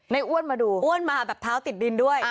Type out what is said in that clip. อ้วนมาดูอ้วนมาแบบเท้าติดดินด้วย